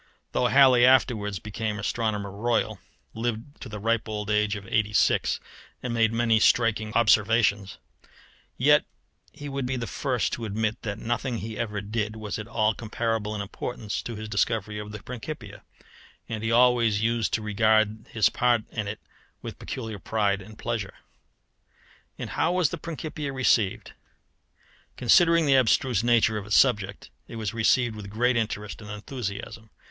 Though Halley afterwards became Astronomer Royal, lived to the ripe old age of eighty six, and made many striking observations, yet he would be the first to admit that nothing he ever did was at all comparable in importance with his discovery of the Principia; and he always used to regard his part in it with peculiar pride and pleasure. And how was the Principia received? Considering the abstruse nature of its subject, it was received with great interest and enthusiasm.